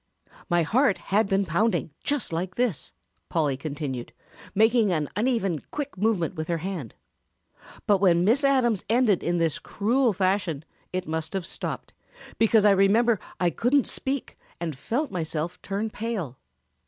My heart had been pounding just like this," Polly continued, making an uneven, quick movement with her hand, "but when Miss Adams ended in this cruel fashion it must have stopped, because I remember I couldn't speak and felt myself turn pale.